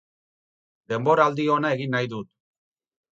Denboraldi ona egin nahi dut.